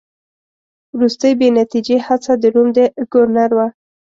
وروستۍ بې نتیجې هڅه د روم د ګورنر وه.